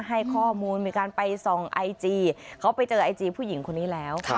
ให้ข้อมูลมีการไปส่องไอจีเขาไปเจอไอจีผู้หญิงคนนี้แล้ว